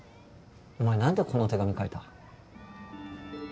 お前何でこの手紙書いた？